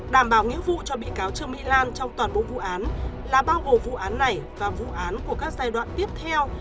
đảm bảo nghĩa vụ cho bị cáo trương mỹ lan trong toàn bộ vụ án là bao gồm vụ án này và vụ án của các giai đoạn tiếp theo